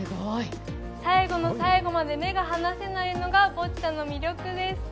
最後の最後まで目が離せないのがボッチャの魅力です。